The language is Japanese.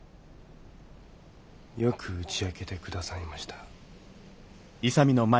よく打ち明けて下さいました。